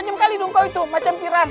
dia pasti akan berhutang pisah